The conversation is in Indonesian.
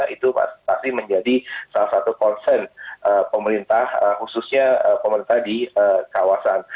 itu pasti menjadi salah satu concern pemerintah khususnya pemerintah di kawasan